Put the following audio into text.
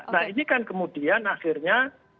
nah ini kan kemudian akhirnya